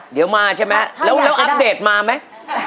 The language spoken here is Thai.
เดี๋ยวมาใช่ไหมแล้วอัปเดตมาไหม